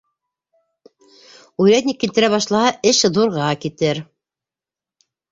Урядник килтертә башлаһа, эш ҙурға китер.